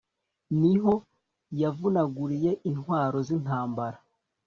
ni ho yavunaguriye intwaro z'intambara